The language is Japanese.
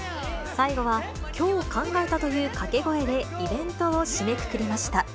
最後は、きょう考えたというかけ声で、イベントを締めくくりました。